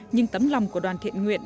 nhưng tấm lòng của đoàn thiện nguyện